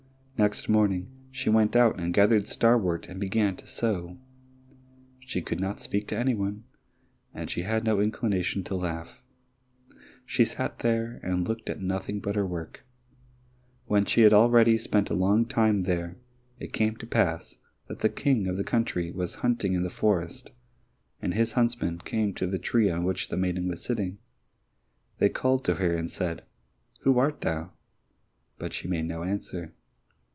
Next morning she went out and gathered starwort and began to sew. She could not speak to any one, and she had no inclination to laugh; she sat there and looked at nothing but her work. When she had already spent a long time there it came to pass that the King of the country was hunting in the forest, and his huntsmen came to the tree on which the maiden was sitting. They called to her and said, "Who art thou?" But she made no answer.